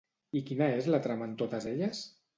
I quina és la trama en totes elles?